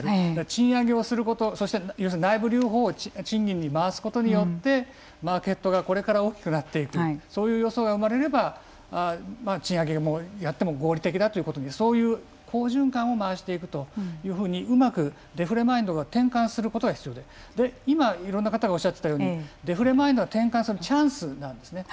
賃上げをすることそして要するに内部留保を賃金に回すことによってマーケットがこれから大きくなっていくそういう予想が生まれれば賃上げもやっても合理的だということにそういう好循環を回していくというふうにうまくデフレマインドが転換することが必要でで今いろんな方がおっしゃっていたようにデフレマインドを転換するチャンスなんですね。